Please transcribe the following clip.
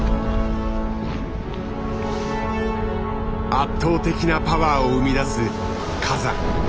圧倒的なパワーを生み出す火山。